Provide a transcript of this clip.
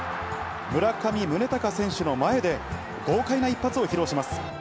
村上宗隆選手の前で、豪快な一発を披露します。